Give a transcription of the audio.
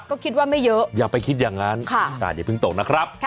ก็คิดว่าไม่เยอะอย่าไปคิดอย่างนั้นอากาศอย่าเพิ่งตกนะครับ